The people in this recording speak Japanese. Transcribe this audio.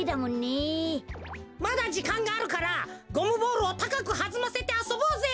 まだじかんがあるからゴムボールをたかくはずませてあそぼうぜ！